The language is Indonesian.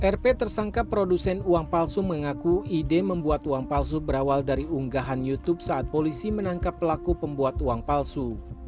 rp tersangka produsen uang palsu mengaku ide membuat uang palsu berawal dari unggahan youtube saat polisi menangkap pelaku pembuat uang palsu